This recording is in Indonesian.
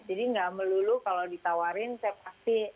jadi nggak melulu kalau ditawarin saya pasti